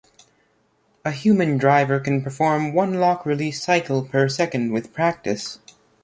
A human driver can perform one lock-release cycle per second with practice.